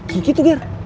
kiki tuh gere